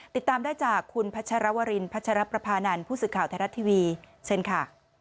ติดตามได้จากคุณพัชรวรินพัชรประพานันทร์ผู้สื่อข่าวไทยรัฐทีวีเชิญค่ะ